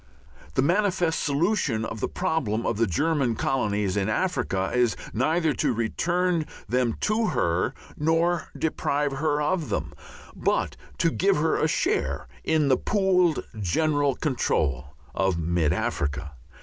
The manifest solution of the problem of the German colonies in Africa is neither to return them to her nor deprive her of them, but to give her a share in the pooled general control of mid Africa.